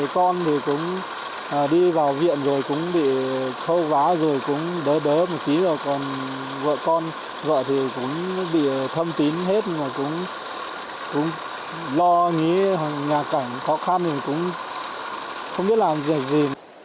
con thì cũng đi vào viện rồi cũng bị khâu vá rồi cũng đớ đớ một tí rồi còn vợ con vợ thì cũng bị thâm tín hết mà cũng lo nghĩ nhà cảnh khó khăn thì cũng không biết làm gì